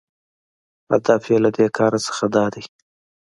هدف یې له دې کاره څخه داده